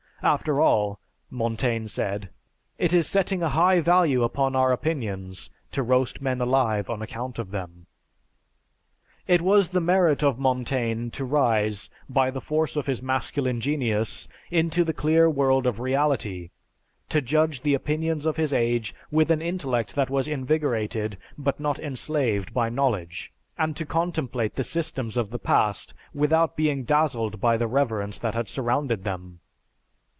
"After all," Montaigne said, "it is setting a high value upon our opinions to roast men alive on account of them." "It was the merit of Montaigne to rise, by the force of his masculine genius, into the clear world of reality; to judge the opinions of his age, with an intellect that was invigorated but not enslaved by knowledge; and to contemplate the systems of the past, without being dazzled by the reverence that had surrounded them.